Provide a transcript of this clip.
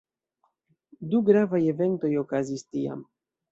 Du gravaj eventoj okazis tiam.